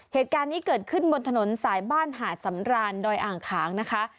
เหตุการณ์นี้เกิดขึ้นบนถนนสายบ้านหาดสำรานดอยอ่างขางนะคะ